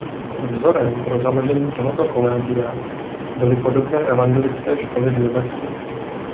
Vzorem pro založení tohoto kolegia byly podobné evangelické školy v Německu.